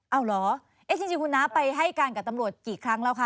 เอาเหรอเอ๊ะจริงคุณน้าไปให้การกับตำรวจกี่ครั้งแล้วคะ